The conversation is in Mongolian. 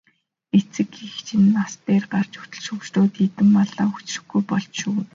Эцэг эх чинь нас дээр гарч өтөлж хөгшрөөд хэдэн малаа хүчрэхгүй болж шүү.